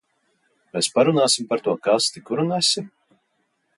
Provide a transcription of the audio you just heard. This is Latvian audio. Mēs parunāsim par to kasti, kuru nesi?